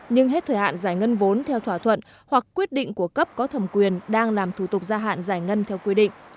nhưng hết thời hạn giải ngân vốn theo thỏa thuận hoặc quyết định của cấp có thẩm quyền đang làm thủ tục gia hạn giải ngân theo quy định